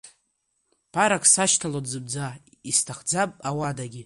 Ԥарак сашьҭалом зынӡа, исҭахӡам ауадагьы.